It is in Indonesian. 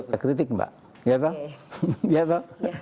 saya kritik mbak ya tahu